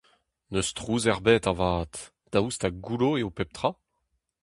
N'eus trouz ebet avat, daoust ha goullo eo pep tra ?